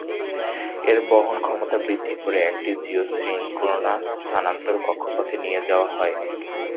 এর বহন ক্ষমতা বৃদ্ধি করে একটি জিওসিনক্রোনাস স্থানান্তর কক্ষপথে নিয়ে যাওয়া হয়।